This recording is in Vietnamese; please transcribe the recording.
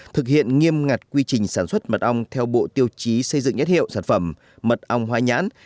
thực hiện nghiêm ngặt quy trình sản xuất mật ong theo bộ tiêu chí xây dựng nhất hiệu sản phẩm mật ong hóa nhãn